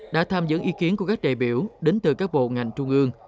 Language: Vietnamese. đã tham dự ý kiến của các đại biểu đến từ các bộ ngành trung ương